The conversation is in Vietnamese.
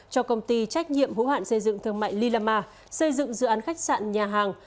cho công ty trách nhiệm hữu hạn xây dựng thương mại lila ma xây dựng dự án khách sạn nhà hàng